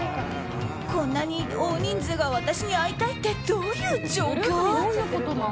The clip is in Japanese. こんなに大人数が私に会いたいってどういう状況？